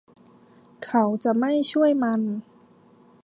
เขาจะไม่ช่วยมัน